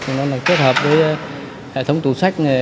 cho nó kết hợp với hệ thống tủ sách